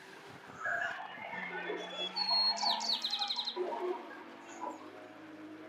প্রতি বছর সবচেয়ে বেশি রানের মালিকদের তালিকায় আমলা শীর্ষেই থেকে এসেছেন।